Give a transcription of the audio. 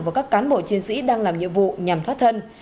vào các cán bộ chiến sĩ đang làm nhiệm vụ nhằm thoát thân